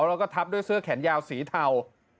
แล้วก็ทับด้วยเสื้อแขนยาวสีเทา